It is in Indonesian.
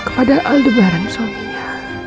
kepada aldebaran suaminya